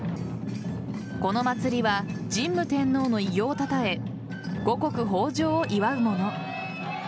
この祭りは神武天皇の偉業をたたえ五穀豊穣を祝うもの。